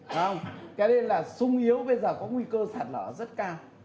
thế nên là sung yếu bây giờ có nguy cơ sạt lở rất cao